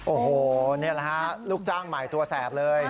โอ้โหนี่แหละฮะลูกจ้างใหม่ตัวแสบเลย